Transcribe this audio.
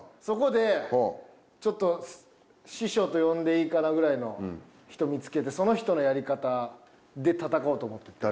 そこでちょっと師匠と呼んでいいかなぐらいの人見付けてその人のやり方で戦おうと思って。